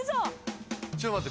ちょっと待って。